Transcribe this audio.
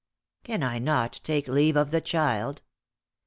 "Can I not take leave of the child?"